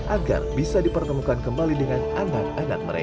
agar bisa dipertemukan kembali dengan anak anaknya